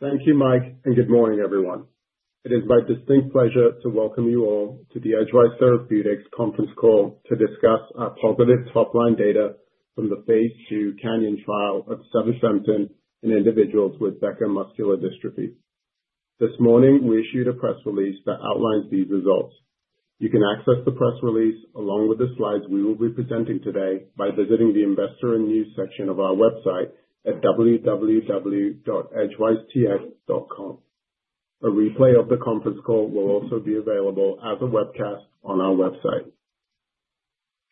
Thank you, Mike, and good morning, everyone. It is my distinct pleasure to welcome you all to the Edgewise Therapeutics conference call to discuss our positive top-line data from the phase II CANYON trial of Sevesantan in individuals with Becker muscular dystrophy. This morning, we issued a press release that outlines these results. You can access the press release, along with the slides we will be presenting today, by visiting the Investors and News section of our website at www.edgewisetx.com. A replay of the conference call will also be available as a webcast on our website.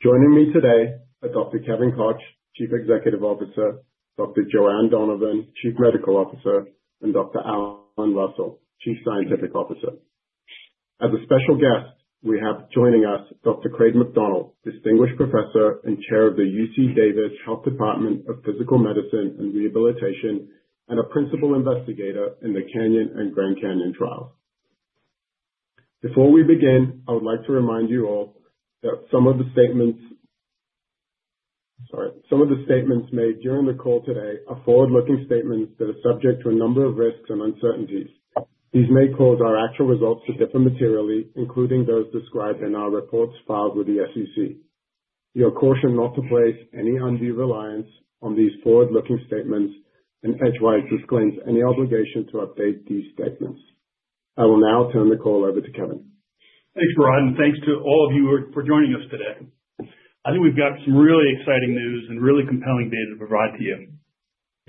Joining me today are Dr. Kevin Koch, Chief Executive Officer, Dr. Joanne Donovan, Chief Medical Officer, and Dr. Alan Russell, Chief Scientific Officer. As a special guest, we have joining us Dr. Craig McDonald, Distinguished Professor and Chair of the UC Davis Health Department of Physical Medicine and Rehabilitation and a Principal Investigator in the CANYON and Grand CANYON trials. Before we begin, I would like to remind you all that some of the statements, sorry, some of the statements made during the call today are forward-looking statements that are subject to a number of risks and uncertainties. These may cause our actual results to differ materially, including those described in our reports filed with the SEC. You are cautioned not to place any undue reliance on these forward-looking statements, and Edgewise disclaims any obligation to update these statements. I will now turn the call over to Kevin. Thanks, Brian. Thanks to all of you for joining us today. I think we've got some really exciting news and really compelling data to provide to you.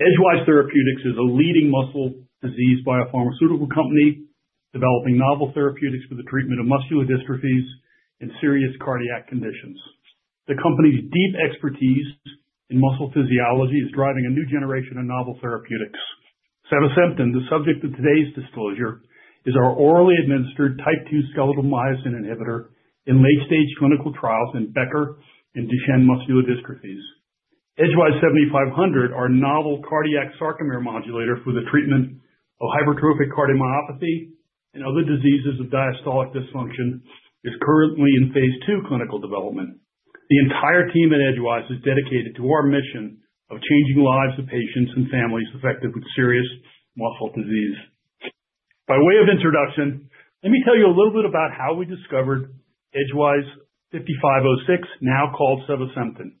Edgewise Therapeutics is a leading muscle disease biopharmaceutical company developing novel therapeutics for the treatment of muscular dystrophies and serious cardiac conditions. The company's deep expertise in muscle physiology is driving a new generation of novel therapeutics. Sevesantan, the subject of today's disclosure, is our orally administered type 2 skeletal myosin inhibitor in late-stage clinical trials in Becker and Duchenne muscular dystrophies. Edgewise 7500, our novel cardiac sarcomere modulator for the treatment of hypertrophic cardiomyopathy and other diseases of diastolic dysfunction, is currently in phase II clinical development. The entire team at Edgewise is dedicated to our mission of changing the lives of patients and families affected with serious muscle disease. By way of introduction, let me tell you a little bit about how we discovered Edgewise 5506, now called Sevesantan.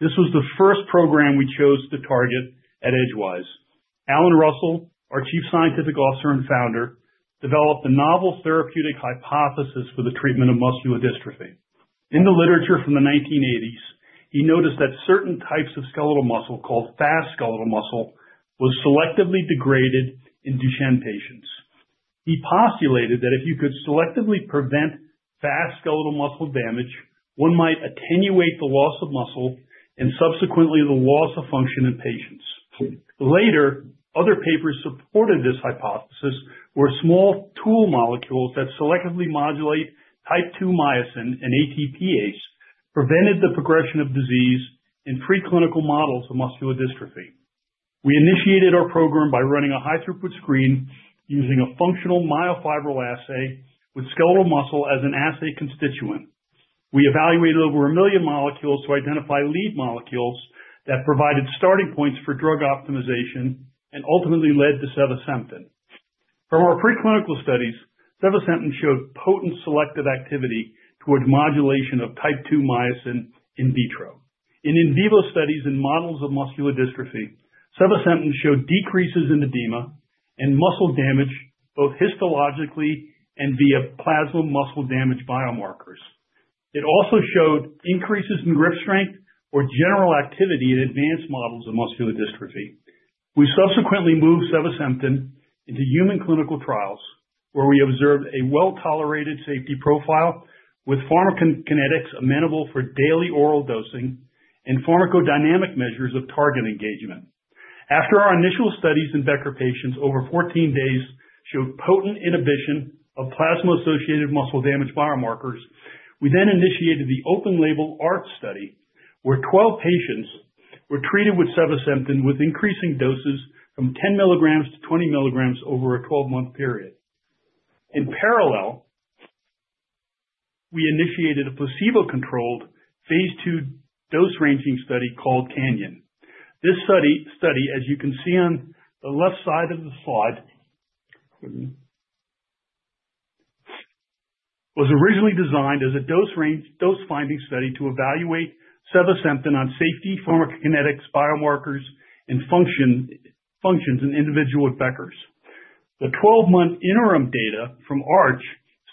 This was the first program we chose to target at Edgewise. Alan Russell, our Chief Scientific Officer and Founder, developed a novel therapeutic hypothesis for the treatment of muscular dystrophy. In the literature from the 1980s, he noticed that certain types of skeletal muscle, called fast skeletal muscle, were selectively degraded in Duchenne patients. He postulated that if you could selectively prevent fast skeletal muscle damage, one might attenuate the loss of muscle and subsequently the loss of function in patients. Later, other papers supported this hypothesis, where small tool molecules that selectively modulate type 2 myosin and ATPase prevented the progression of disease in preclinical models of muscular dystrophy. We initiated our program by running a high-throughput screen using a functional myofibril assay with skeletal muscle as an assay constituent. We evaluated over a million molecules to identify lead molecules that provided starting points for drug optimization and ultimately led to Sevesantan. From our preclinical studies, Sevesantan showed potent selective activity toward modulation of type 2 myosin in vitro. In vivo studies in models of muscular dystrophy, Sevesantan showed decreases in edema and muscle damage, both histologically and via plasma muscle damage biomarkers. It also showed increases in grip strength or general activity in advanced models of muscular dystrophy. We subsequently moved Sevesantan into human clinical trials, where we observed a well-tolerated safety profile with pharmacokinetics amenable for daily oral dosing and pharmacodynamic measures of target engagement. After our initial studies in Becker patients, over 14 days showed potent inhibition of plasma-associated muscle damage biomarkers. We then initiated the open-label ARCH study, where 12 patients were treated with Sevesantan with increasing doses from 10 milligrams to 20 milligrams over a 12-month period. In parallel, we initiated a placebo-controlled phase II dose ranging study called CANYON. This study, as you can see on the left side of the slide, was originally designed as a dose-finding study to evaluate Sevesantan on safety, pharmacokinetics, biomarkers, and functions in individuals with Becker's. The 12-month interim data from ARCH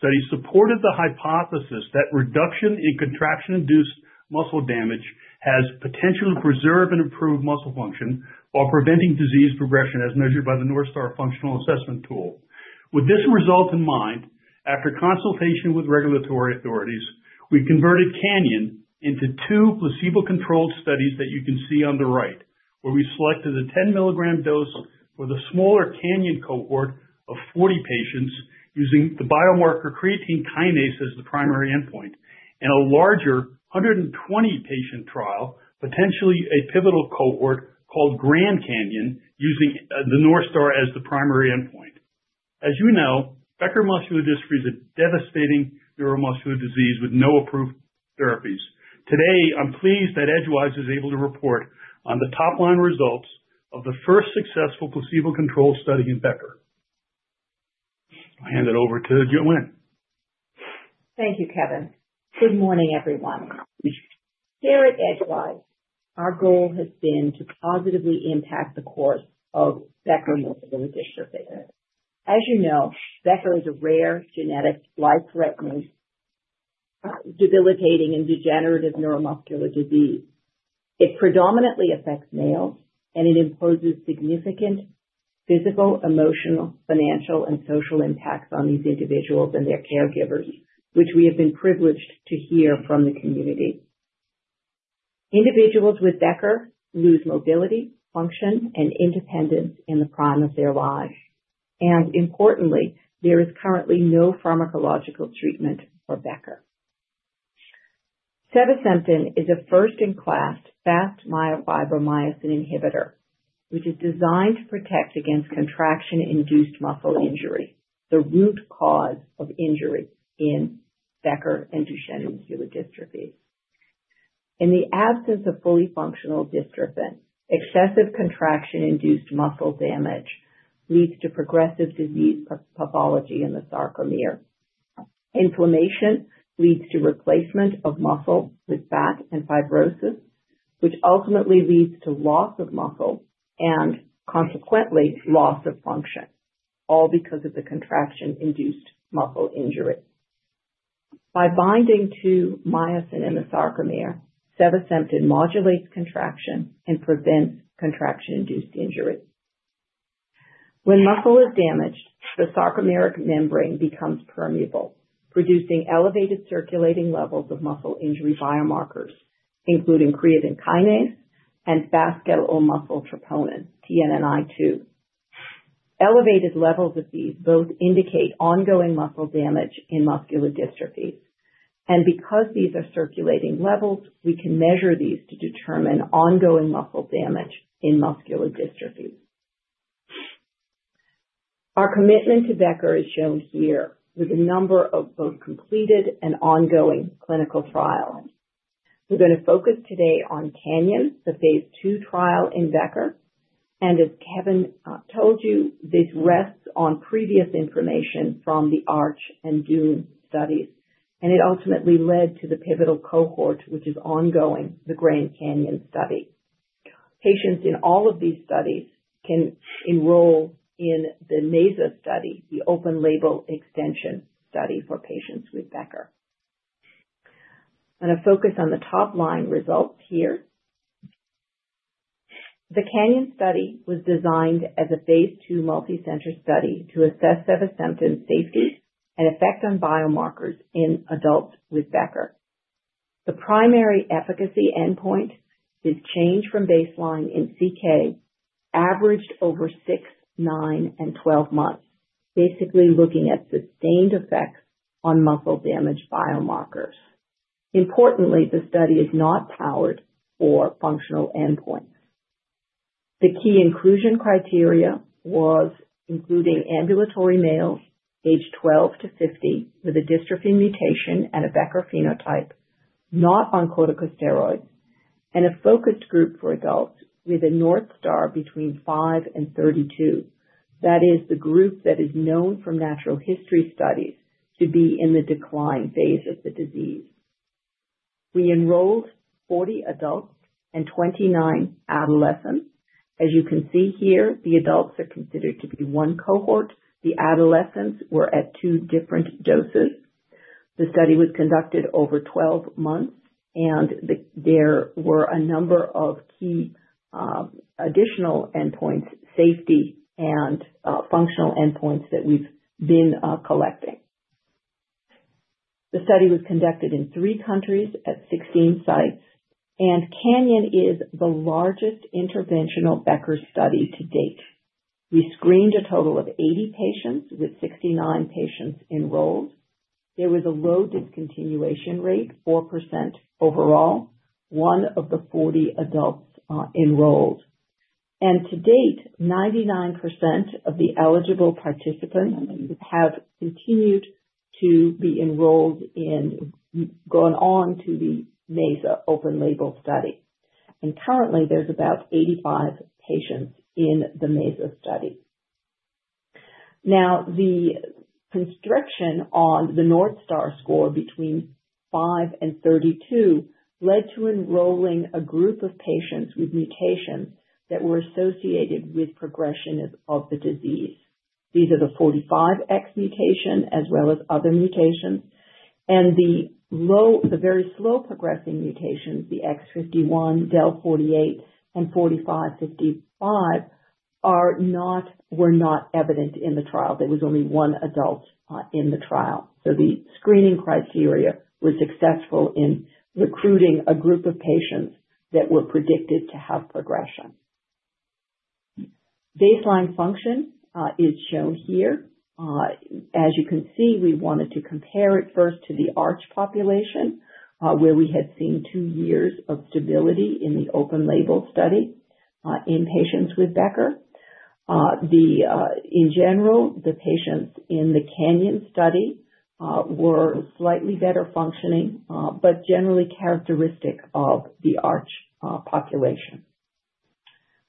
study supported the hypothesis that reduction in contraction-induced muscle damage has potential to preserve and improve muscle function while preventing disease progression, as measured by the North Star Functional Assessment Tool. With this result in mind, after consultation with regulatory authorities, we converted CANYON into two placebo-controlled studies that you can see on the right, where we selected a 10 milligram dose for the smaller CANYON cohort of 40 patients using the biomarker creatine kinase as the primary endpoint, and a larger 120-patient trial, potentially a pivotal cohort called Grand CANYON, using the North Star as the primary endpoint. As you know, Becker muscular dystrophy is a devastating neuromuscular disease with no approved therapies. Today, I'm pleased that Edgewise was able to report on the top-line results of the first successful placebo-controlled study in Becker. I'll hand it over to Joanne. Thank you, Kevin. Good morning, everyone. Here at Edgewise, our goal has been to positively impact the course of Becker muscular dystrophy. As you know, Becker is a rare, genetic, life-threatening, debilitating, and degenerative neuromuscular disease. It predominantly affects males, and it imposes significant physical, emotional, financial, and social impacts on these individuals and their caregivers, which we have been privileged to hear from the community. Individuals with Becker lose mobility, function, and independence in the prime of their lives. And importantly, there is currently no pharmacological treatment for Becker. Sevesantan is a first-in-class fast myofibril myosin inhibitor, which is designed to protect against contraction-induced muscle injury, the root cause of injury in Becker and Duchenne muscular dystrophy. In the absence of fully functional dystrophin, excessive contraction-induced muscle damage leads to progressive disease pathology in the sarcomere. Inflammation leads to replacement of muscle with fat and fibrosis, which ultimately leads to loss of muscle and consequently loss of function, all because of the contraction-induced muscle injury. By binding to myosin in the sarcomere, Sevesantan modulates contraction and prevents contraction-induced injury. When muscle is damaged, the sarcomeric membrane becomes permeable, producing elevated circulating levels of muscle injury biomarkers, including creatine kinase and fast skeletal muscle troponin, TNNI2. Elevated levels of these both indicate ongoing muscle damage in muscular dystrophies, and because these are circulating levels, we can measure these to determine ongoing muscle damage in muscular dystrophies. Our commitment to Becker is shown here with a number of both completed and ongoing clinical trials. We're going to focus today on CANYON, the phase II trial in Becker. As Kevin told you, this rests on previous information from the ARCH and DUNE studies, and it ultimately led to the pivotal cohort, which is ongoing, the Grand CANYON study. Patients in all of these studies can enroll in the MESA study, the open-label extension study for patients with Becker. I'm going to focus on the top-line results here. The CANYON study was designed as a phase II multi-center study to assess Sevesantan's safety and effect on biomarkers in adults with Becker. The primary efficacy endpoint is change from baseline in CK averaged over six, nine, and 12 months, basically looking at sustained effects on muscle damage biomarkers. Importantly, the study is not powered for functional endpoints. The key inclusion criteria was including ambulatory males, age 12 to 50, with a dystrophy mutation and a Becker phenotype, not on corticosteroids, and a focused group for adults with a North Star between five and 32. That is the group that is known from natural history studies to be in the decline phase of the disease. We enrolled 40 adults and 29 adolescents. As you can see here, the adults are considered to be one cohort. The adolescents were at two different doses. The study was conducted over 12 months, and there were a number of key additional endpoints, safety, and functional endpoints that we've been collecting. The study was conducted in three countries at 16 sites, and CANYON is the largest interventional Becker study to date. We screened a total of 80 patients with 69 patients enrolled. There was a low discontinuation rate, 4% overall, one of the 40 adults enrolled. To date, 99% of the eligible participants have continued to be enrolled in, gone on to the MESA open-label study. Currently, there's about 85 patients in the MESA study. Now, the restriction on the North Star score between 5 and 32 led to enrolling a group of patients with mutations that were associated with progression of the disease. These are the 45,X mutation as well as other mutations. The very slow progressing mutations, the X51, Del48, and 45-55, were not evident in the trial. There was only one adult in the trial. So the screening criteria was successful in recruiting a group of patients that were predicted to have progression. Baseline function is shown here. As you can see, we wanted to compare it first to the ARCH population, where we had seen two years of stability in the open-label study in patients with Becker. In general, the patients in the CANYON study were slightly better functioning, but generally characteristic of the ARCH population.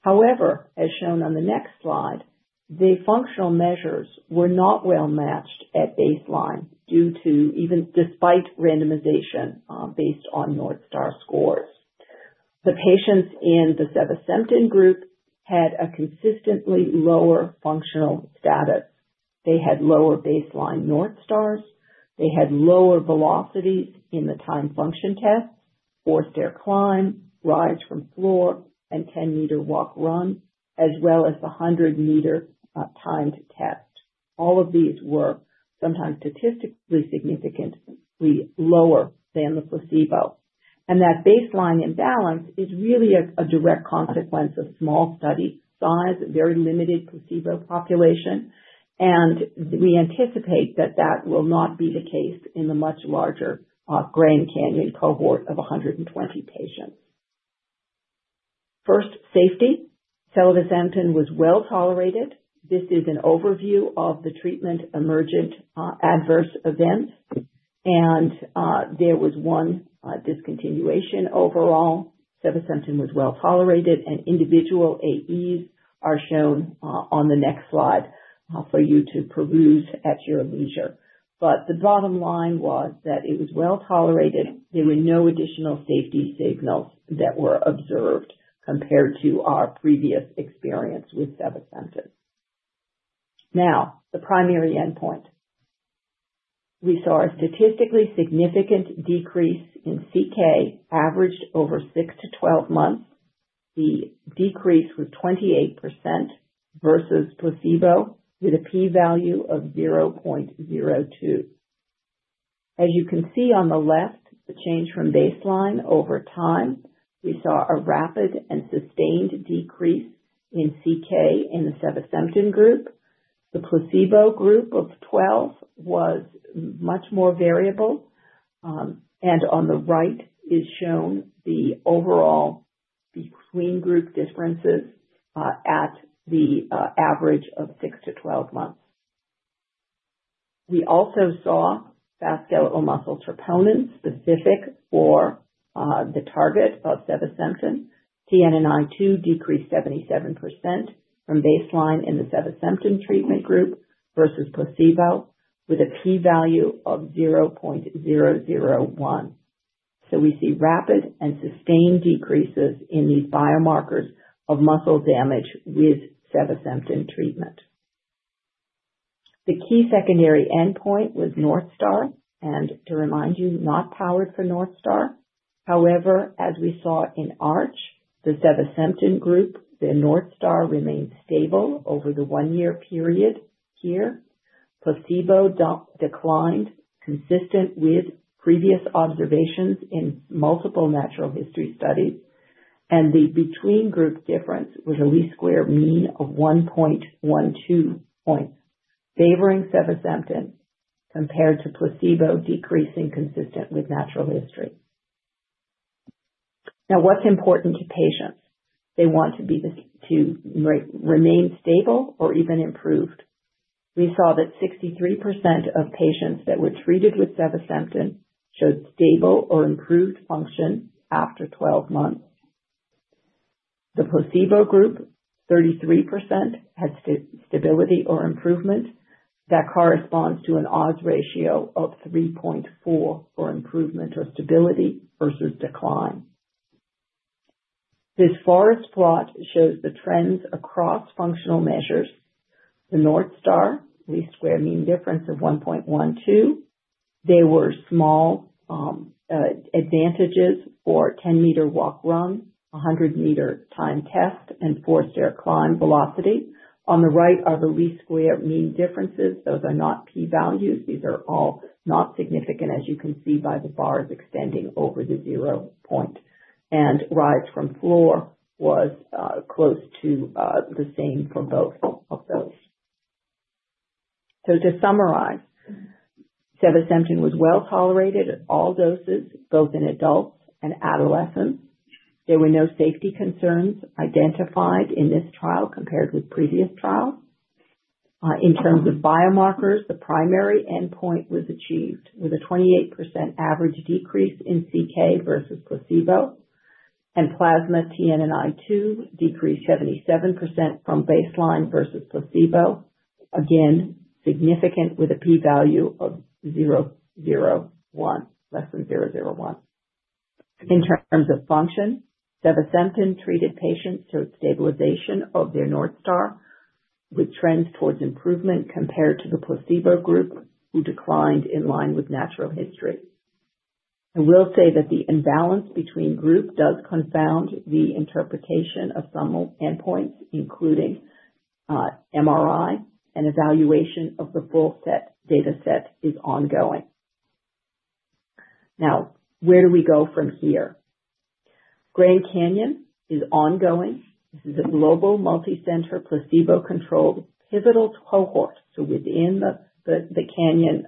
However, as shown on the next slide, the functional measures were not well matched at baseline despite randomization based on North Star scores. The patients in the Sevesantan group had a consistently lower functional status. They had lower baseline North Stars. They had lower velocities in the timed functional tests, 4-stair climb, rise from floor, and 10-meter walk-run, as well as the 100-meter timed test. All of these were sometimes statistically significantly lower than the placebo, and that baseline imbalance is really a direct consequence of small study size, very limited placebo population. We anticipate that that will not be the case in the much larger Grand CANYON cohort of 120 patients. First, safety. Sevesantan was well tolerated. This is an overview of the treatment emergent adverse events. There was one discontinuation overall. Sevesantan was well tolerated. Individual AEs are shown on the next slide for you to peruse at your leisure. The bottom line was that it was well tolerated. There were no additional safety signals that were observed compared to our previous experience with Sevesantan. Now, the primary endpoint. We saw a statistically significant decrease in CK averaged over 6-12 months. The decrease was 28% versus placebo, with a p-value of 0.02. As you can see on the left, the change from baseline over time, we saw a rapid and sustained decrease in CK in the Sevesantan group. The placebo group of 12 was much more variable. On the right is shown the overall between-group differences at the average of 6 months-12 months. We also saw fast skeletal muscle troponin specific for the target of Sevesantan. TNNI2 decreased 77% from baseline in the Sevesantan treatment group versus placebo, with a p-value of 0.001. We see rapid and sustained decreases in these biomarkers of muscle damage with Sevesantan treatment. The key secondary endpoint was North Star. To remind you, not powered for North Star. However, as we saw in ARCH, the Sevesantan group, the North Star remained stable over the one-year period here. Placebo declined, consistent with previous observations in multiple natural history studies. The between-group difference was a least-squares mean of 1.12 points, favoring Sevesantan compared to placebo decreasing consistent with natural history. Now, what's important to patients? They want to remain stable or even improved. We saw that 63% of patients that were treated with Sevesantan showed stable or improved function after 12 months. The placebo group, 33%, had stability or improvement. That corresponds to an odds ratio of 3.4 for improvement or stability versus decline. This forest plot shows the trends across functional measures. The North Star least square mean difference of 1.12. There were small advantages for 10-meter walk-run, 100-meter timed test, and 4-stair climb velocity. On the right are the least square mean differences. Those are not p-values. These are all not significant, as you can see by the bars extending over the zero point. And rise from floor was close to the same for both of those. So to summarize, Sevesantan was well tolerated at all doses, both in adults and adolescents. There were no safety concerns identified in this trial compared with previous trials. In terms of biomarkers, the primary endpoint was achieved with a 28% average decrease in CK versus placebo, and plasma TNNI2 decreased 77% from baseline versus placebo. Again, significant with a p-value of 0.01, less than 0.01. In terms of function, Sevesantan treated patients towards stabilization of their North Star, with trends towards improvement compared to the placebo group, who declined in line with natural history. I will say that the imbalance between groups does confound the interpretation of some endpoints, including MRI, and evaluation of the full set data set is ongoing. Now, where do we go from here? Grand CANYON is ongoing. This is a global multi-center placebo-controlled pivotal cohort, so within the CANYON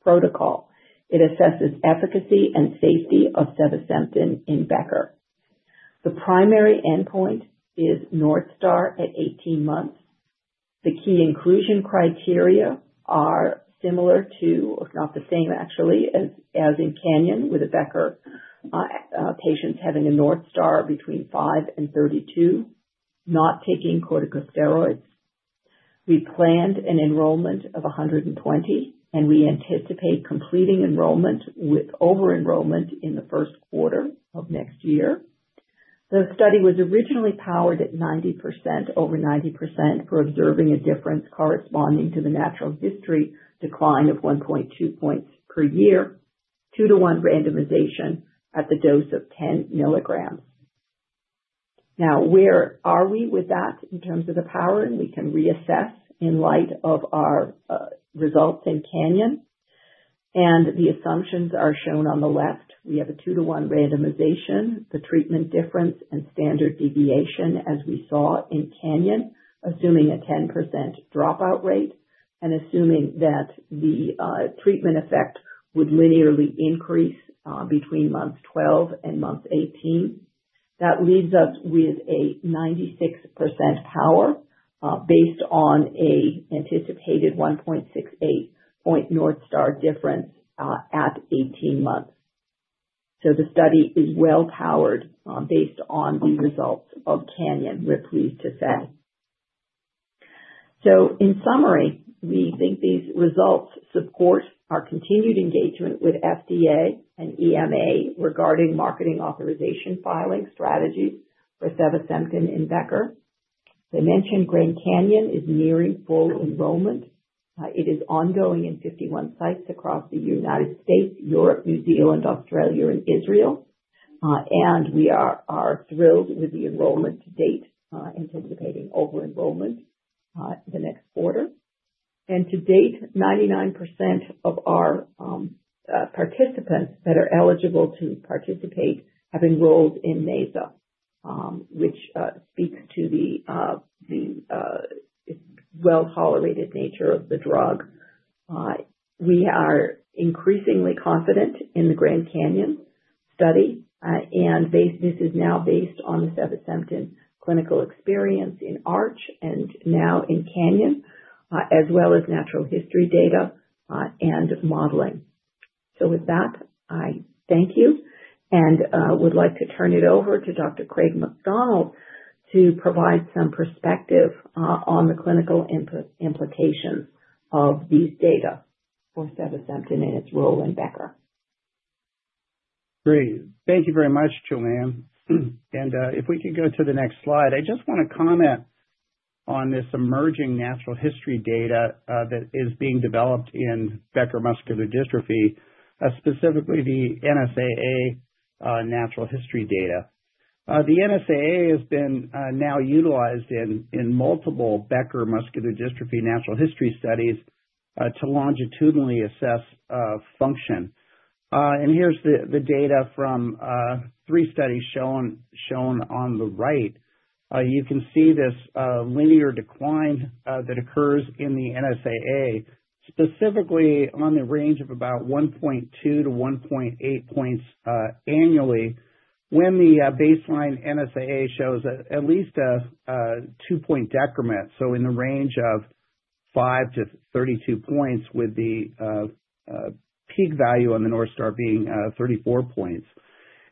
protocol, it assesses efficacy and safety of Sevesantan in Becker. The primary endpoint is North Star at 18 months. The key inclusion criteria are similar to, if not the same, actually, as in CANYON, with Becker patients having a North Star between 5 and 32, not taking corticosteroids. We planned an enrollment of 120, and we anticipate completing enrollment with over-enrollment in the first quarter of next year. The study was originally powered at 90% over 90% for observing a difference corresponding to the natural history decline of 1.2 points per year, 2:1 randomization at the dose of 10 milligrams. Now, where are we with that in terms of the power, and we can reassess in light of our results in CANYON, and the assumptions are shown on the left. We have a 2:1 randomization, the treatment difference, and standard deviation, as we saw in CANYON, assuming a 10% dropout rate and assuming that the treatment effect would linearly increase between month 12 and month 18. That leaves us with a 96% power based on an anticipated 1.68-point North Star difference at 18 months. The study is well powered based on the results of CANYON. We're pleased to say. In summary, we think these results support our continued engagement with FDA and EMA regarding marketing authorization filing strategies for Sevesantan in Becker. I mentioned Grand CANYON is nearing full enrollment. It is ongoing in 51 sites across the United States, Europe, New Zealand, Australia, and Israel. We are thrilled with the enrollment to date, anticipating over-enrollment the next quarter. To date, 99% of our participants that are eligible to participate have enrolled in MESA, which speaks to the well-tolerated nature of the drug. We are increasingly confident in the Grand CANYON study. And this is now based on the Sevesantan clinical experience in ARCH and now in CANYON, as well as natural history data and modeling. So with that, I thank you. And I would like to turn it over to Dr. Craig McDonald to provide some perspective on the clinical implications of these data for Sevesantan and its role in Becker. Great. Thank you very much, Joanne. And if we could go to the next slide, I just want to comment on this emerging natural history data that is being developed in Becker muscular dystrophy, specifically the NSAA natural history data. The NSAA has been now utilized in multiple Becker muscular dystrophy natural history studies to longitudinally assess function. And here's the data from three studies shown on the right. You can see this linear decline that occurs in the NSAA, specifically on the range of about 1.2 to 1.8 points annually when the baseline NSAA shows at least a 2-point decrement, so in the range of 5 to 32 points, with the peak value on the North Star being 34 points.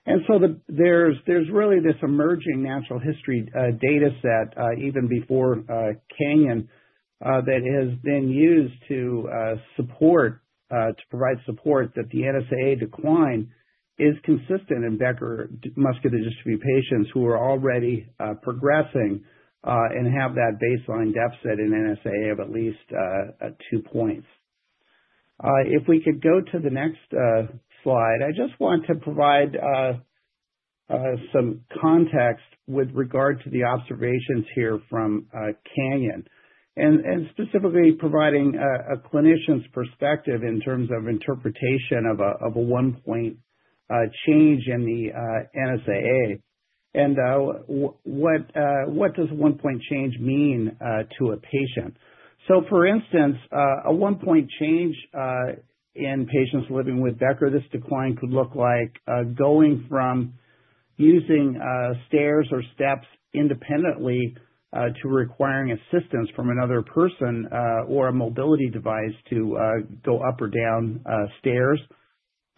And so there's really this emerging natural history data set, even before CANYON, that has been used to provide support that the NSAA decline is consistent in Becker muscular dystrophy patients who are already progressing and have that baseline deficit in NSAA of at least two points. If we could go to the next slide, I just want to provide some context with regard to the observations here from CANYON, and specifically providing a clinician's perspective in terms of interpretation of a one-point change in the NSAA. And what does a one-point change mean to a patient? So for instance, a one-point change in patients living with Becker, this decline could look like going from using stairs or steps independently to requiring assistance from another person or a mobility device to go up or down stairs.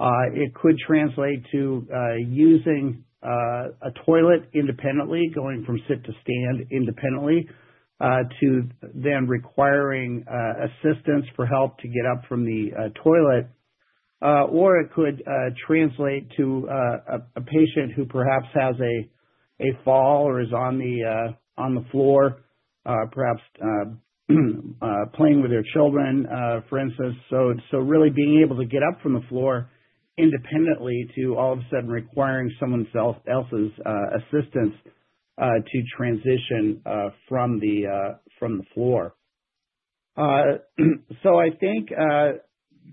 It could translate to using a toilet independently, going from sit to stand independently, to then requiring assistance for help to get up from the toilet. Or it could translate to a patient who perhaps has a fall or is on the floor, perhaps playing with their children, for instance, so really being able to get up from the floor independently to all of a sudden requiring someone else's assistance to transition from the floor. I think,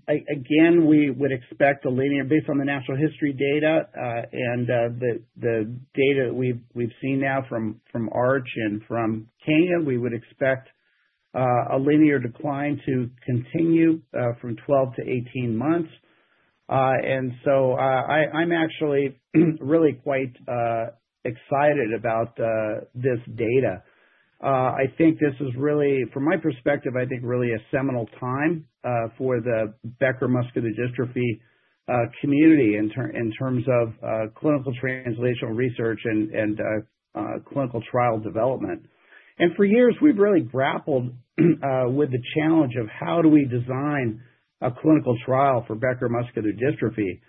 again, we would expect a linear based on the natural history data and the data that we've seen now from ARCH and from CANYON, we would expect a linear decline to continue from 12 to 18 months, and so I'm actually really quite excited about this data. I think this is really, from my perspective, I think really a seminal time for the Becker muscular dystrophy community in terms of clinical translational research and clinical trial development, and for years, we've really grappled with the challenge of how do we design a clinical trial for Becker muscular dystrophy,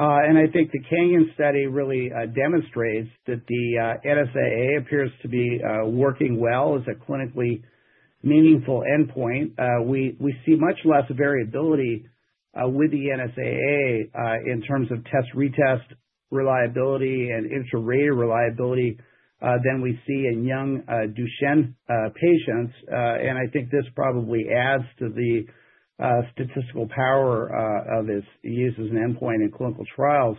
and I think the CANYON study really demonstrates that the NSAA appears to be working well as a clinically meaningful endpoint. We see much less variability with the NSAA in terms of test-retest reliability and inter-rater reliability than we see in young Duchenne patients, and I think this probably adds to the statistical power of this use as an endpoint in clinical trials,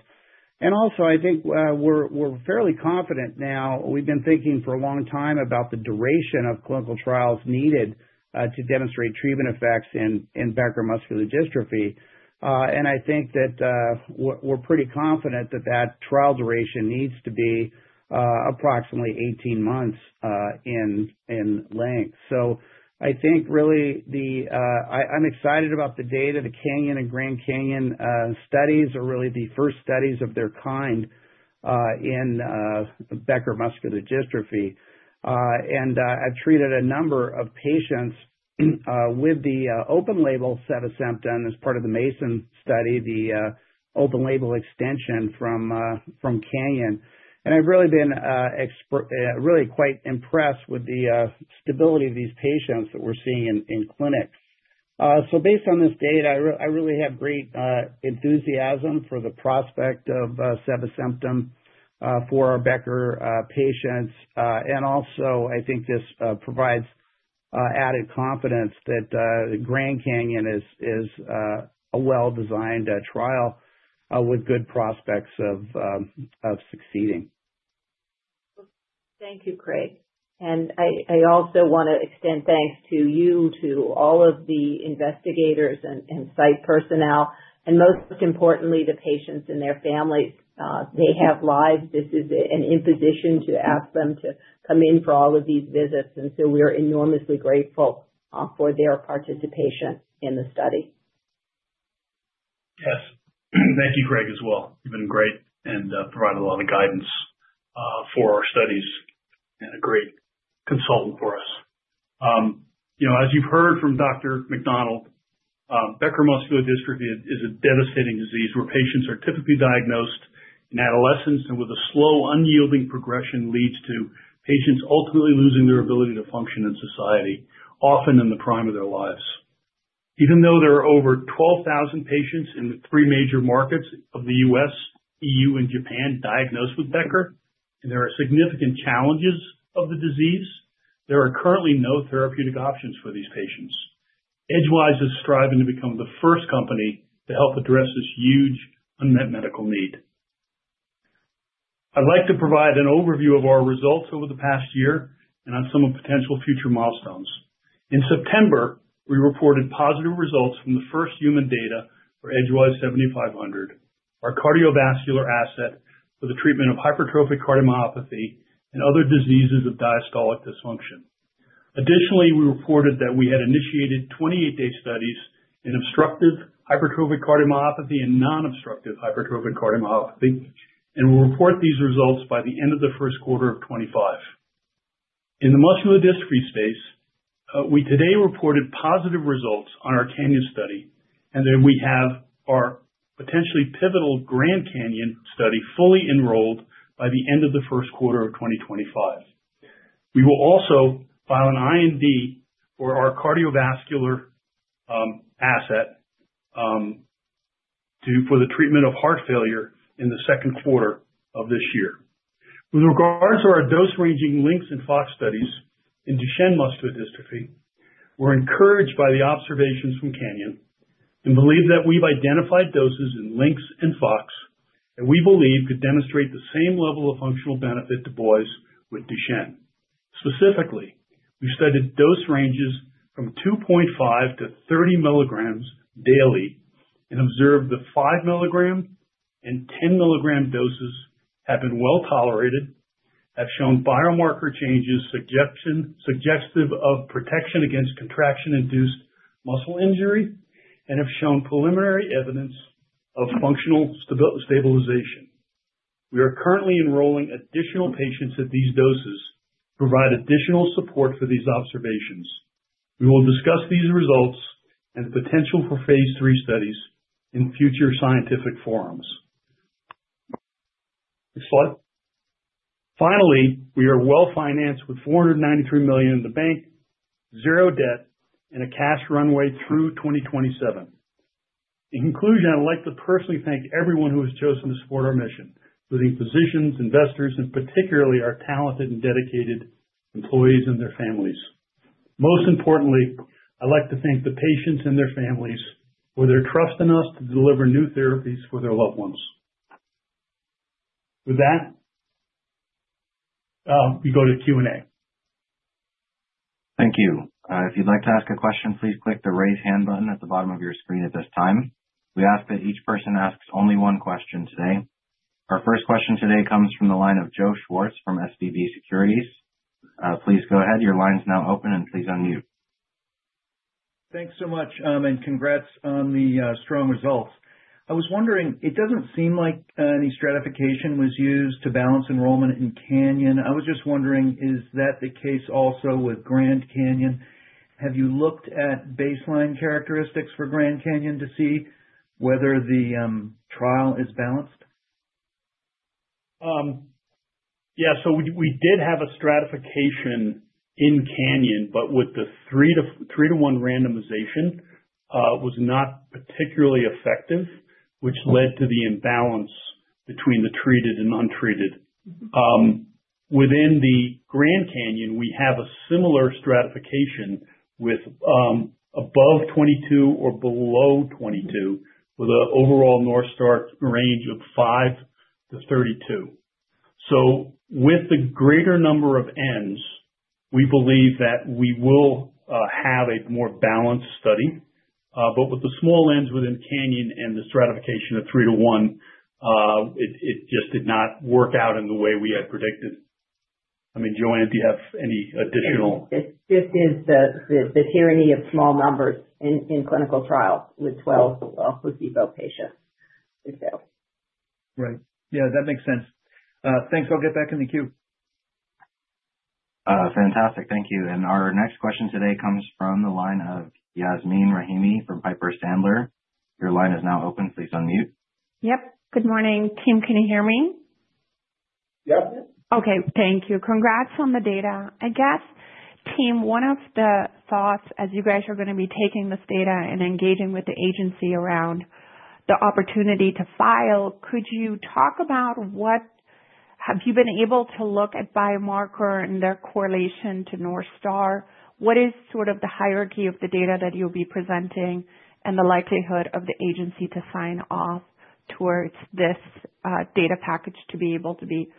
and also, I think we're fairly confident now. We've been thinking for a long time about the duration of clinical trials needed to demonstrate treatment effects in Becker muscular dystrophy. I think that we're pretty confident that that trial duration needs to be approximately 18 months in length. I think really I'm excited about the data. The CANYON and Grand CANYON studies are really the first studies of their kind in Becker muscular dystrophy. I've treated a number of patients with the open-label Sevesantan as part of the MESA study, the open-label extension from CANYON. I've really been quite impressed with the stability of these patients that we're seeing in clinic. Based on this data, I really have great enthusiasm for the prospect of Sevesantan for our Becker patients. Also, I think this provides added confidence that Grand CANYON is a well-designed trial with good prospects of succeeding. Thank you, Craig. I also want to extend thanks to you, to all of the investigators and site personnel, and most importantly, the patients and their families. They have lives. This is an imposition to ask them to come in for all of these visits. And so we are enormously grateful for their participation in the study. Yes. Thank you, Craig, as well. You've been great and provided a lot of guidance for our studies and a great consultant for us. As you've heard from Dr. McDonald, Becker muscular dystrophy is a devastating disease where patients are typically diagnosed in adolescence, and with a slow, unyielding progression leads to patients ultimately losing their ability to function in society, often in the prime of their lives. Even though there are over 12,000 patients in the three major markets of the U.S., EU, and Japan diagnosed with Becker, and there are significant challenges of the disease, there are currently no therapeutic options for these patients. Edgewise is striving to become the first company to help address this huge unmet medical need. I'd like to provide an overview of our results over the past year and on some of potential future milestones. In September, we reported positive results from the first human data for Edgewise 7500, our cardiovascular asset for the treatment of hypertrophic cardiomyopathy and other diseases of diastolic dysfunction. Additionally, we reported that we had initiated 28-day studies in obstructive hypertrophic cardiomyopathy and non-obstructive hypertrophic cardiomyopathy, and we'll report these results by the end of the first quarter of 2025. In the muscular dystrophy space, we today reported positive results on our CANYON study, and then we have our potentially pivotal Grand CANYON study fully enrolled by the end of the first quarter of 2025. We will also file an IND for our cardiovascular asset for the treatment of heart failure in the second quarter of this year. With regards to our dose-ranging LYNX and FOX studies in Duchenne muscular dystrophy, we're encouraged by the observations from CANYON and believe that we've identified doses in LYNX and FOX that we believe could demonstrate the same level of functional benefit to boys with Duchenne. Specifically, we studied dose ranges from 2.5 milligrams-30 milligrams daily and observed the 5 milligram and 10 milligram doses have been well tolerated, have shown biomarker changes suggestive of protection against contraction-induced muscle injury, and have shown preliminary evidence of functional stabilization. We are currently enrolling additional patients at these doses to provide additional support for these observations. We will discuss these results and the potential for phase III studies in future scientific forums. Next slide. Finally, we are well financed with $493 million in the bank, zero debt, and a cash runway through 2027. In conclusion, I'd like to personally thank everyone who has chosen to support our mission, including physicians, investors, and particularly our talented and dedicated employees and their families. Most importantly, I'd like to thank the patients and their families for their trust in us to deliver new therapies for their loved ones. With that, we go to Q&A. Thank you. If you'd like to ask a question, please click the raise hand button at the bottom of your screen at this time. We ask that each person ask only one question today. Our first question today comes from the line of Joe Schwartz from Leerink Partners. Please go ahead. Your line's now open, and please unmute. Thanks so much, and congrats on the strong results. I was wondering, it doesn't seem like any stratification was used to balance enrollment in CANYON. I was just wondering, is that the case also with Grand CANYON? Have you looked at baseline characteristics for Grand CANYON to see whether the trial is balanced? Yeah. So we did have a stratification in CANYON, but with the 3:1 randomization, it was not particularly effective, which led to the imbalance between the treated and untreated. Within the Grand CANYON, we have a similar stratification with above 22 or below 22, with an overall North Star range of 5 to 32. So with the greater number of Ns, we believe that we will have a more balanced study. But with the small Ns within CANYON and the stratification of 3:1, it just did not work out in the way we had predicted. I mean, Joanne, do you have any additional? It is the tyranny of small numbers in clinical trials with 12 placebo patients. Right. Yeah, that makes sense. Thanks. I'll get back in the queue. Fantastic. Thank you. And our next question today comes from the line of Yasmeen Rahimi from Piper Sandler. Your line is now open. Please unmute. Yep. Good morning. Tim, can you hear me? Yep. Okay. Thank you. Congrats on the data. I guess, Tim, one of the thoughts as you guys are going to be taking this data and engaging with the agency around the opportunity to file, could you talk about what have you been able to look at biomarker and their correlation to North Star? What is sort of the hierarchy of the data that you'll be presenting and the likelihood of the agency to sign off towards this data package to be able to be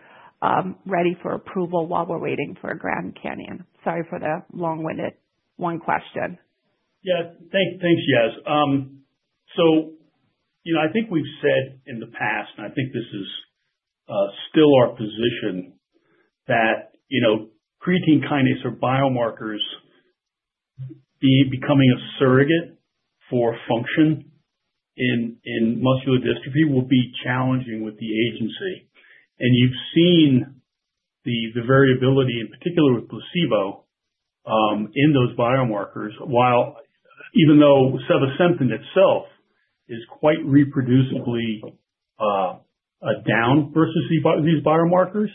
ready for approval while we're waiting for a Grand CANYON? Sorry for the long-winded one question. Yeah. Thanks, Yas. So I think we've said in the past, and I think this is still our position, that creatine kinase or biomarkers becoming a surrogate for function in muscular dystrophy will be challenging with the agency. And you've seen the variability, in particular with placebo, in those biomarkers, even though Sevesantan itself is quite reproducibly down versus these biomarkers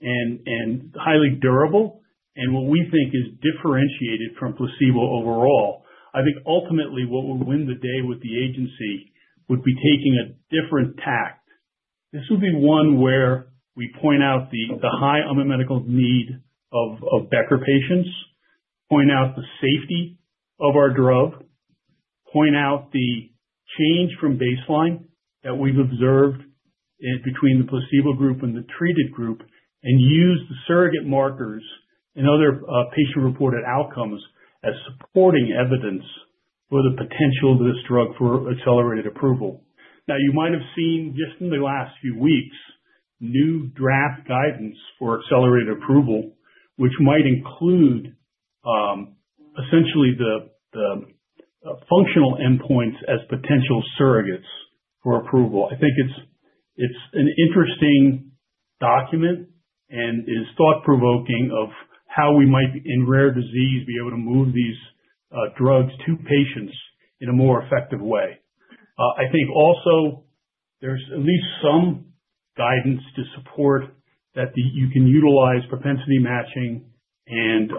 and highly durable, and what we think is differentiated from placebo overall. I think ultimately what would win the day with the agency would be taking a different tack. This would be one where we point out the high unmet medical need of Becker patients, point out the safety of our drug, point out the change from baseline that we've observed between the placebo group and the treated group, and use the surrogate markers and other patient-reported outcomes as supporting evidence for the potential of this drug for accelerated approval. Now, you might have seen just in the last few weeks new draft guidance for accelerated approval, which might include essentially the functional endpoints as potential surrogates for approval. I think it's an interesting document and is thought-provoking of how we might, in rare disease, be able to move these drugs to patients in a more effective way. I think also there's at least some guidance to support that you can utilize propensity matching and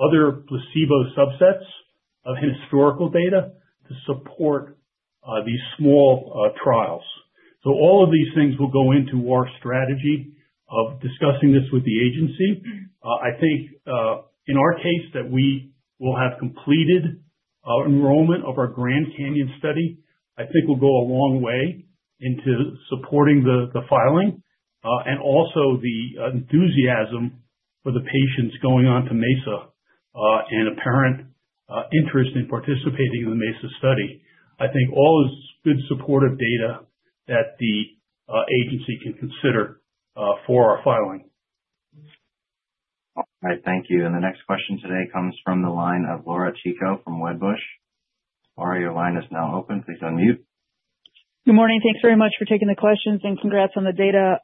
other placebo subsets of historical data to support these small trials. All of these things will go into our strategy of discussing this with the agency. I think in our case that we will have completed enrollment of our Grand CANYON study. I think will go a long way into supporting the filing and also the enthusiasm for the patients going on to MESA and apparent interest in participating in the MESA study. I think all is good supportive data that the agency can consider for our filing. All right. Thank you. And the next question today comes from the line of Laura Chico from Wedbush. Laura, your line is now open. Please unmute. Good morning. Thanks very much for taking the questions and congrats on the data.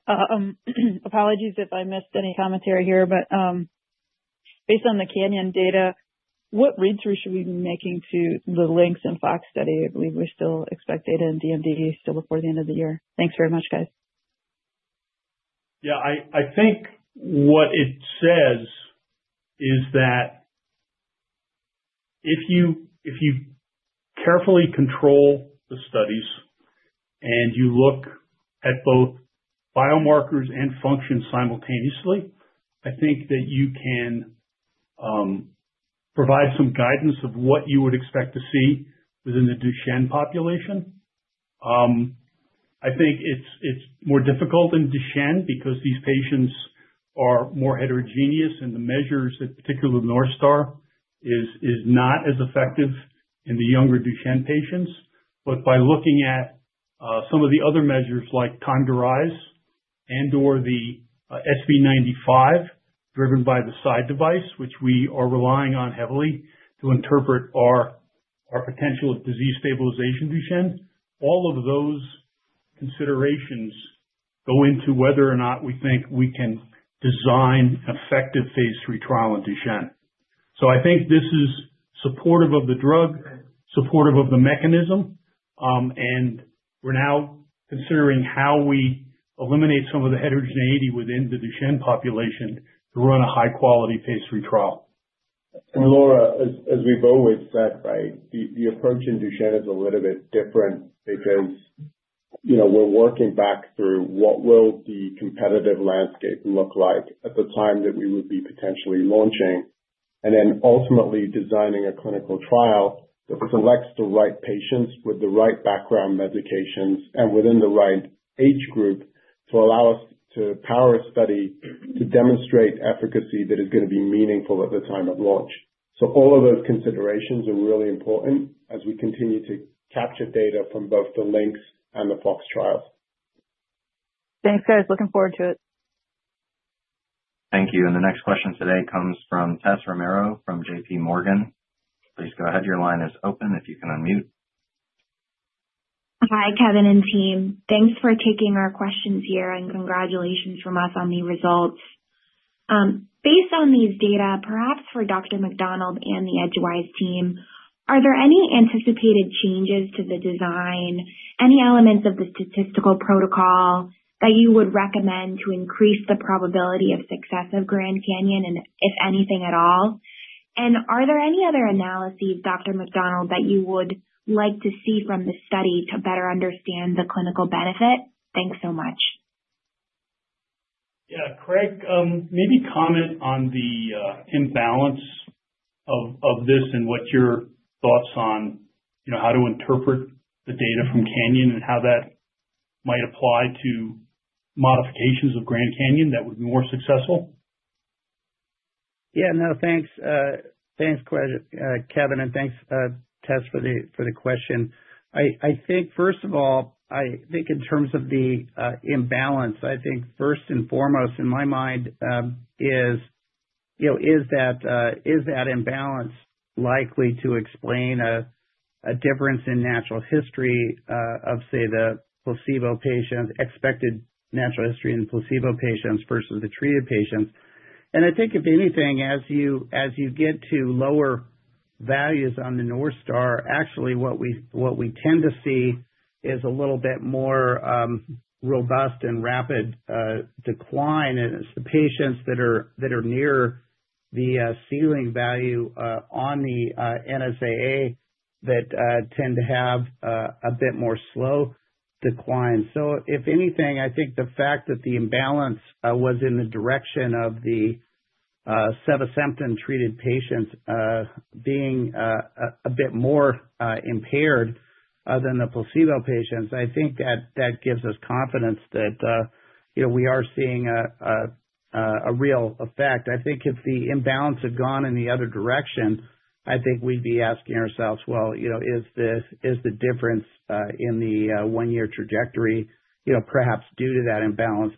Apologies if I missed any commentary here, but based on the CANYON data, what read-through should we be making to the LYNX and FOX study? I believe we still expect data in DMD before the end of the year. Thanks very much, guys. Yeah. I think what it says is that if you carefully control the studies and you look at both biomarkers and function simultaneously, I think that you can provide some guidance of what you would expect to see within the Duchenne population. I think it's more difficult in Duchenne because these patients are more heterogeneous, and the measures, particularly North Star, is not as effective in the younger Duchenne patients. But by looking at some of the other measures like time to rise and/or the SV95 driven by the stride device, which we are relying on heavily to interpret our potential of disease stabilization Duchenne, all of those considerations go into whether or not we think we can design an effective phase III trial in Duchenne. I think this is supportive of the drug, supportive of the mechanism, and we're now considering how we eliminate some of the heterogeneity within the Duchenne population to run a high-quality phase III trial. And Laura, as we've always said, right, the approach in Duchenne is a little bit different because we're working back through what will the competitive landscape look like at the time that we would be potentially launching, and then ultimately designing a clinical trial that selects the right patients with the right background medications and within the right age group to allow us to power a study to demonstrate efficacy that is going to be meaningful at the time of launch. So all of those considerations are really important as we continue to capture data from both the LYNX and the FOX trials. Thanks, guys. Looking forward to it. Thank you. And the next question today comes from Tessa Romero from J.P. Morgan. Please go ahead. Your line is open if you can unmute. Hi, Kevin and the team. Thanks for taking our questions here, and congratulations from us on the results. Based on these data, perhaps for Dr. McDonald and the Edgewise team, are there any anticipated changes to the design, any elements of the statistical protocol that you would recommend to increase the probability of success of Grand CANYON, and if anything at all? Are there any other analyses, Dr. McDonald, that you would like to see from the study to better understand the clinical benefit? Thanks so much. Yeah. Craig, maybe comment on the imbalance of this and what your thoughts on how to interpret the data from CANYON and how that might apply to modifications of Grand CANYON that would be more successful? Yeah. No, thanks. Thanks, Kevin, and thanks, Tess, for the question. I think, first of all, I think in terms of the imbalance, I think first and foremost in my mind is that imbalance likely to explain a difference in natural history of, say, the placebo patients, expected natural history in placebo patients versus the treated patients. And I think if anything, as you get to lower values on the North Star, actually what we tend to see is a little bit more robust and rapid decline, and it's the patients that are near the ceiling value on the NSAA that tend to have a bit more slow decline. So if anything, I think the fact that the imbalance was in the direction of the Sevesantan treated patients being a bit more impaired than the placebo patients, I think that gives us confidence that we are seeing a real effect. I think if the imbalance had gone in the other direction, I think we'd be asking ourselves, well, is the difference in the one-year trajectory perhaps due to that imbalance?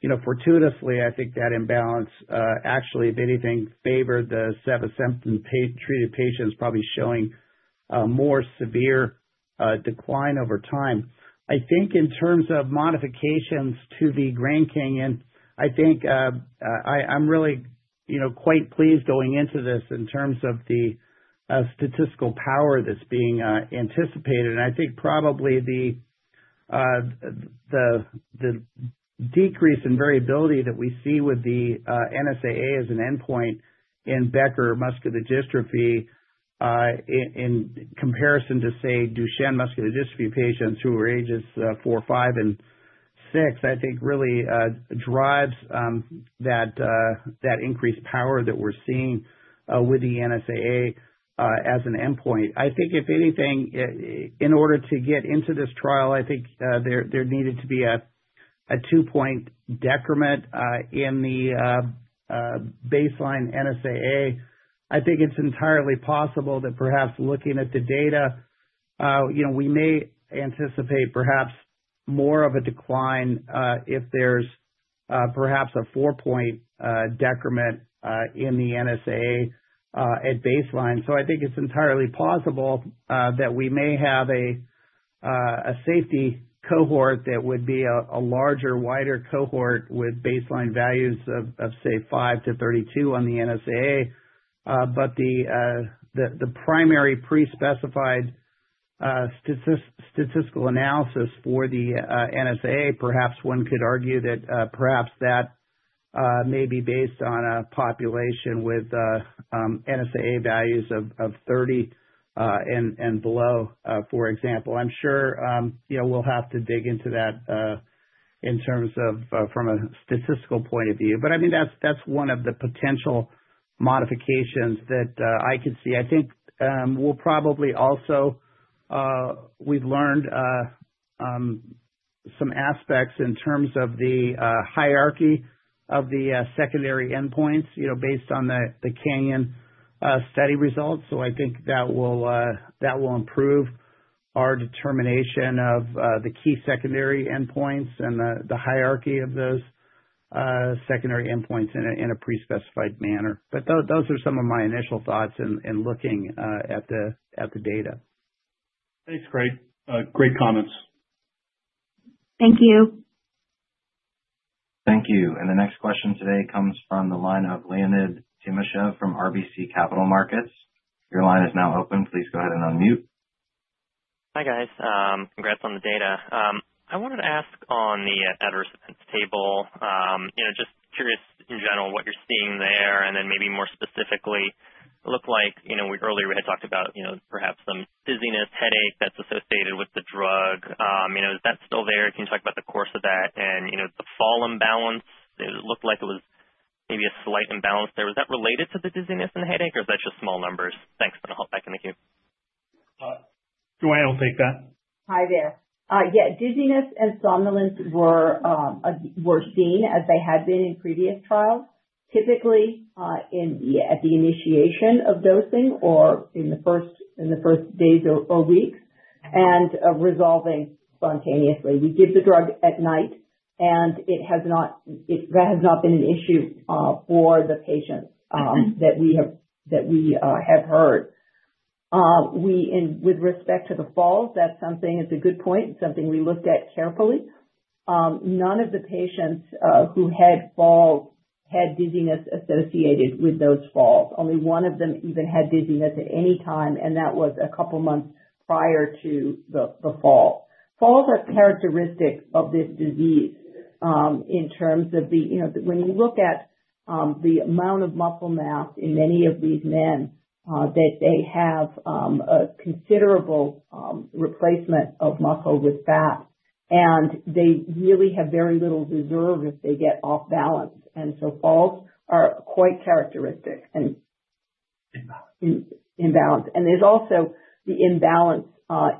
But I think fortuitously, I think that imbalance actually, if anything, favored the Sevesantan treated patients, probably showing more severe decline over time. I think in terms of modifications to the Grand CANYON, I think I'm really quite pleased going into this in terms of the statistical power that's being anticipated. And I think probably the decrease in variability that we see with the NSAA as an endpoint in Becker muscular dystrophy in comparison to, say, Duchenne muscular dystrophy patients who are ages four, five, and six, I think really drives that increased power that we're seeing with the NSAA as an endpoint. I think if anything, in order to get into this trial, I think there needed to be a two-point decrement in the baseline NSAA. I think it's entirely possible that perhaps looking at the data, we may anticipate perhaps more of a decline if there's perhaps a four-point decrement in the NSAA at baseline. So I think it's entirely possible that we may have a safety cohort that would be a larger, wider cohort with baseline values of, say, five to 32 on the NSAA. But the primary pre-specified statistical analysis for the NSAA, perhaps one could argue that perhaps that may be based on a population with NSAA values of 30 and below, for example. I'm sure we'll have to dig into that in terms of from a statistical point of view. But I mean, that's one of the potential modifications that I could see. I think we'll probably also, we've learned some aspects in terms of the hierarchy of the secondary endpoints based on the CANYON study results. So I think that will improve our determination of the key secondary endpoints and the hierarchy of those secondary endpoints in a pre-specified manner. But those are some of my initial thoughts in looking at the data. Thanks, Craig. Great comments. Thank you. Thank you. And the next question today comes from the line of Leonid Timashev from RBC Capital Markets. Your line is now open. Please go ahead and unmute. Hi, guys. Congrats on the data. I wanted to ask on the adverse events table, just curious in general what you're seeing there and then maybe more specifically look like earlier we had talked about perhaps some dizziness, headache that's associated with the drug. Is that still there? Can you talk about the course of that? And the fall imbalance, it looked like it was maybe a slight imbalance there. Was that related to the dizziness and the headache, or is that just small numbers? Thanks, but I'll hop back in the queue. Joy, I'll take that. Hi, there. Yeah. Dizziness and somnolence were seen as they had been in previous trials, typically at the initiation of dosing or in the first days or weeks and resolving spontaneously. We give the drug at night, and that has not been an issue for the patients that we have heard. With respect to the falls, that's something that's a good point, something we looked at carefully. None of the patients who had falls had dizziness associated with those falls. Only one of them even had dizziness at any time, and that was a couple of months prior to the fall. Falls are characteristic of this disease in terms of when you look at the amount of muscle mass in many of these men, that they have a considerable replacement of muscle with fat, and they really have very little reserve if they get off balance. And so falls are quite characteristic and imbalanced. And there's also the imbalance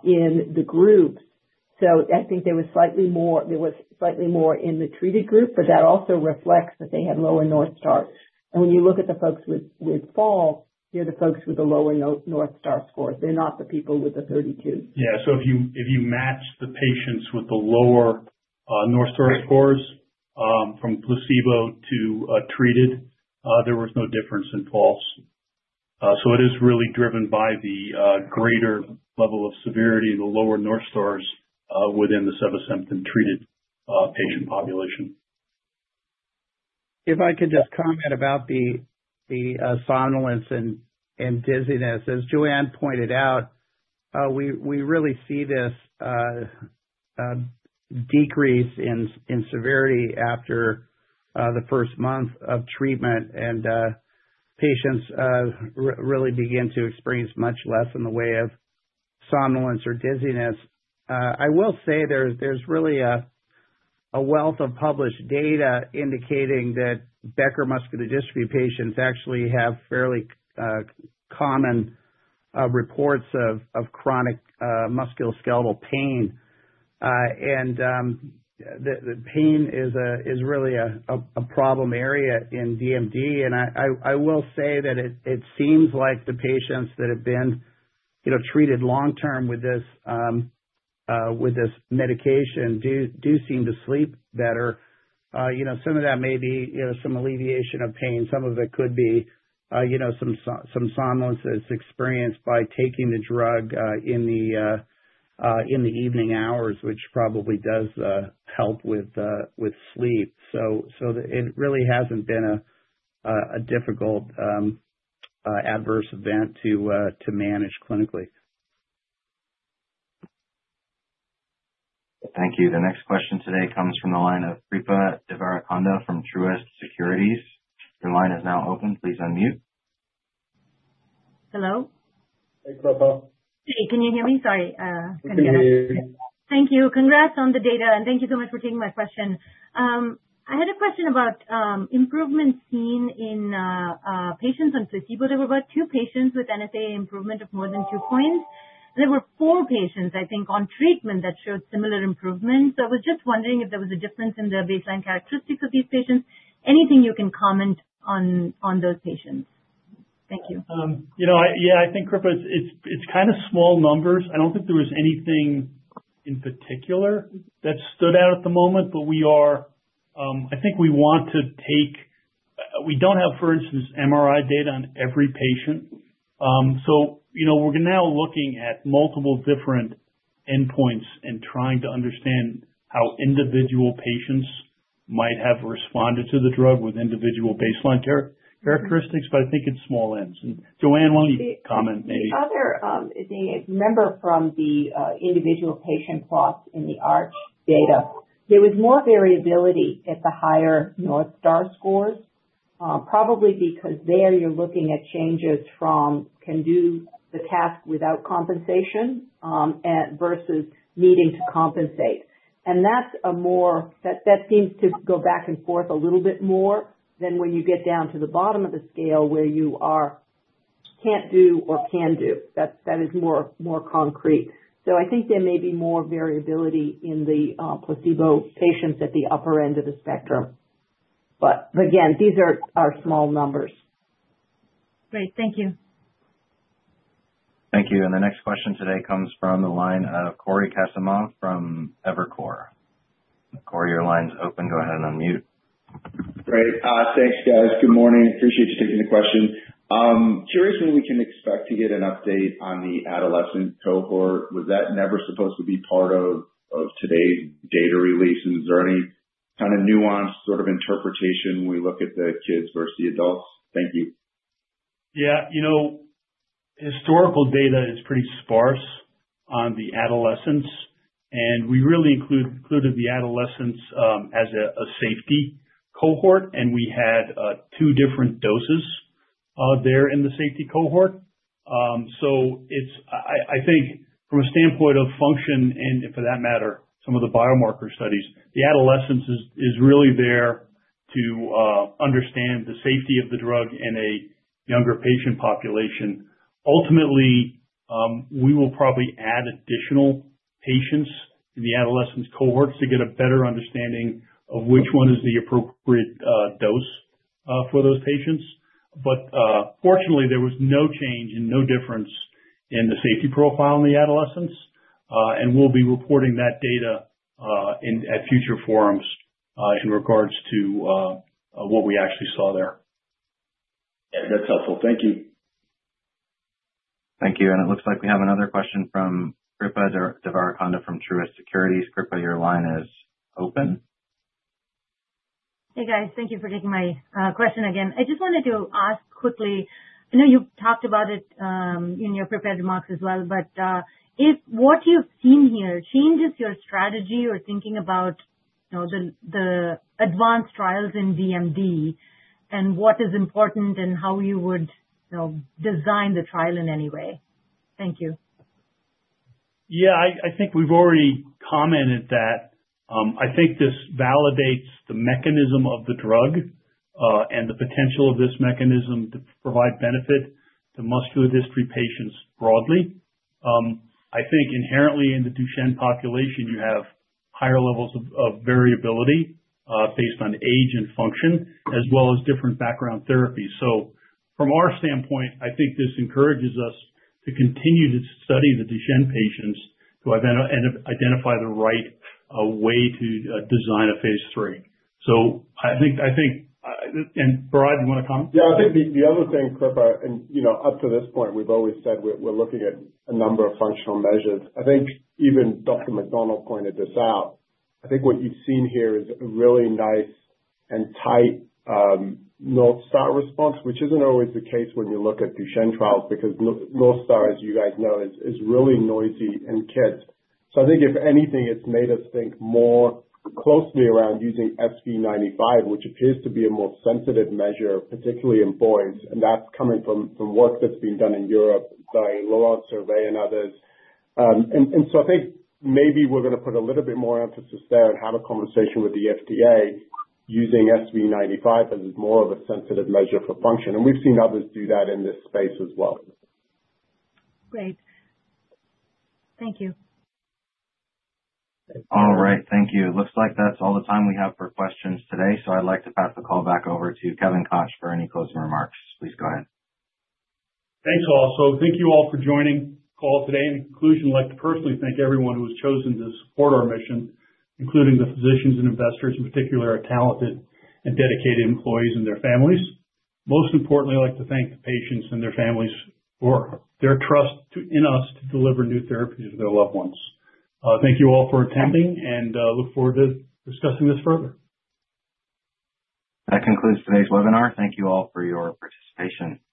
in the groups. So I think there was slightly more in the treated group, but that also reflects that they had lower North Star. And when you look at the folks with falls, you have the folks with the lower North Star scores. They're not the people with the 32. Yeah. So if you match the patients with the lower North Star scores from placebo to treated, there was no difference in falls. So it is really driven by the greater level of severity and the lower North Stars within the Sevesantan treated patient population. If I could just comment about the somnolence and dizziness, as Joanne pointed out, we really see this decrease in severity after the first month of treatment, and patients really begin to experience much less in the way of somnolence or dizziness. I will say there's really a wealth of published data indicating that Becker muscular dystrophy patients actually have fairly common reports of chronic musculoskeletal pain, and the pain is really a problem area in DMD, and I will say that it seems like the patients that have been treated long-term with this medication do seem to sleep better. Some of that may be some alleviation of pain. Some of it could be some somnolence that's experienced by taking the drug in the evening hours, which probably does help with sleep, so it really hasn't been a difficult adverse event to manage clinically. Thank you. The next question today comes from the line of Kripa Devarakonda from Truist Securities. Your line is now open. Please unmute. Hello? Hey, Kripa. Hey. Can you hear me? Sorry. Yes. Thank you. Congrats on the data, and thank you so much for taking my question. I had a question about improvement seen in patients on placebo. There were about two patients with NSAA improvement of more than two points. There were four patients, I think, on treatment that showed similar improvement. So I was just wondering if there was a difference in the baseline characteristics of these patients. Anything you can comment on those patients? Thank you. Yeah. I think, Kripa, it's kind of small numbers. I don't think there was anything in particular that stood out at the moment, but I think we want to. We don't have, for instance, MRI data on every patient. So we're now looking at multiple different endpoints and trying to understand how individual patients might have responded to the drug with individual baseline characteristics, but I think it's small n's. And Joanne, one comment maybe. The other thing is, remember from the individual patient plots in the ARCH data, there was more variability at the higher North Star scores, probably because there you're looking at changes from can do the task without compensation versus needing to compensate, and that seems to go back and forth a little bit more than when you get down to the bottom of the scale where you can't do or can do, that is more concrete, so I think there may be more variability in the placebo patients at the upper end of the spectrum, but again, these are small numbers. Great. Thank you. Thank you. And the next question today comes from the line of Cory Kasimov from Evercore. Cory, your line's open. Go ahead and unmute. Great. Thanks, guys. Good morning. Appreciate you taking the question. Curious when we can expect to get an update on the adolescent cohort. Was that never supposed to be part of today's data release? And is there any kind of nuanced sort of interpretation when we look at the kids versus the adults? Thank you. Yeah. Historical data is pretty sparse on the adolescents, and we really included the adolescents as a safety cohort, and we had two different doses there in the safety cohort. So I think from a standpoint of function and for that matter, some of the biomarker studies, the adolescents is really there to understand the safety of the drug in a younger patient population. Ultimately, we will probably add additional patients in the adolescents cohorts to get a better understanding of which one is the appropriate dose for those patients. But fortunately, there was no change and no difference in the safety profile in the adolescents, and we'll be reporting that data at future forums in regards to what we actually saw there. Yeah. That's helpful. Thank you. Thank you. And it looks like we have another question from Kripa Devarakonda from Truist Securities. Krupa, your line is open. Hey, guys. Thank you for taking my question again. I just wanted to ask quickly. I know you've talked about it in your prepared remarks as well, but what you've seen here changes your strategy or thinking about the advanced trials in DMD and what is important and how you would design the trial in any way? Thank you. Yeah. I think we've already commented that. I think this validates the mechanism of the drug and the potential of this mechanism to provide benefit to muscular dystrophy patients broadly. I think inherently in the Duchenne population, you have higher levels of variability based on age and function as well as different background therapies. So from our standpoint, I think this encourages us to continue to study the Duchenne patients to identify the right way to design a phase III. So I think, and Behrad, you want to comment? Yeah. I think the other thing, Krupa, and up to this point, we've always said we're looking at a number of functional measures. I think even Dr. McDonald pointed this out. I think what you've seen here is a really nice and tight North Star response, which isn't always the case when you look at Duchenne trials because North Star, as you guys know, is really noisy in kids, so I think if anything, it's made us think more closely around using SV95, which appears to be a more sensitive measure, particularly in boys, and that's coming from work that's been done in Europe by Laurent Servais and others, and so I think maybe we're going to put a little bit more emphasis there and have a conversation with the FDA using SV95 as more of a sensitive measure for function. We've seen others do that in this space as well. Great. Thank you. All right. Thank you. It looks like that's all the time we have for questions today. So I'd like to pass the call back over to Kevin Koch for any closing remarks. Please go ahead. Thanks, all, so thank you all for joining the call today. In conclusion, I'd like to personally thank everyone who has chosen to support our mission, including the physicians and investors, in particular our talented and dedicated employees and their families. Most importantly, I'd like to thank the patients and their families for their trust in us to deliver new therapies for their loved ones. Thank you all for attending, and look forward to discussing this further. That concludes today's webinar. Thank you all for your participation. Good.